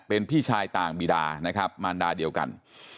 เป็นพี่ชายต่างบีดานะครับมารดาเดียวกัน